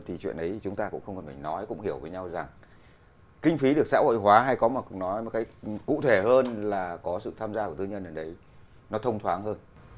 thì chuyện ấy chúng ta cũng không cần phải nói cũng hiểu với nhau rằng kinh phí được xã hội hóa hay có một cái cụ thể hơn là có sự tham gia của tư nhân ở đấy nó thông thoáng hơn